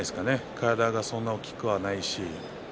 体がそんなに大きくはないし。